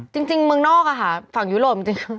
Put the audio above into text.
จริงเมืองนอกอะค่ะฝั่งยุโรปจริง